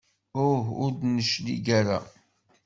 Uh ur d-neclig ara.